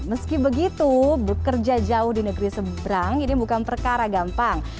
meski begitu bekerja jauh di negeri seberang ini bukan perkara gampang